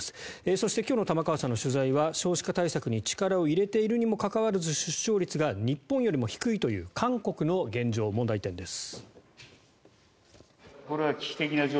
そして、今日の玉川さんの取材は少子化対策に力を入れているにもかかわらず出生率が日本よりも低いという韓国の現状、問題点です。